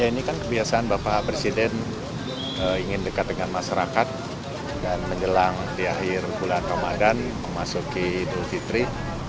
ini kan kebiasaan bapak presiden ingin dekat dengan masyarakat dan menjelang di akhir bulan ramadan memasuki idul fitri